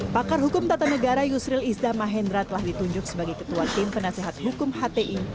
pakar hukum tata negara yusril izda mahendra telah ditunjuk sebagai ketua tim penasehat hukum hti